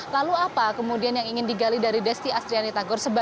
lalu apa kemudian yang ingin digali dari desti astriani tagor